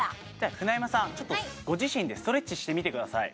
舟山さんちょっとご自身でストレッチしてみてください